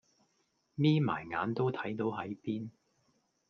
眯埋眼都睇到喺邊